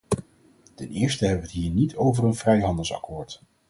Ten eerste hebben we het hier niet over een vrijhandelsakkoord.